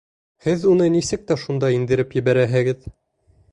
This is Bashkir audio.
Һеҙ уны нисек тә шунда индереп ебәрәһегеҙ.